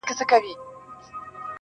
اوس د سیالانو په ټولۍ کي مي ښاغلی یمه،